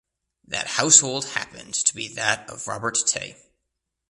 That household happened to be that of Robert Tay.